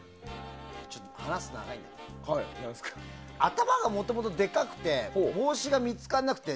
話すと長いんだけど頭がもともとでかくて帽子が見つからなくて